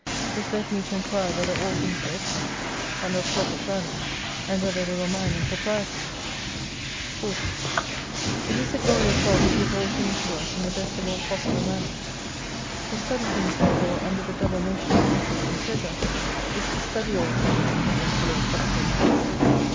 This led me to enquire whether all things were excellent, and of perfect value, and whether they were mine in propriety ? 40 It is the Glory of God to give all things to us in the best of all possible manners. To study things there fore under the double notion of interest and treasure, is to study all things in the best of all possible manners.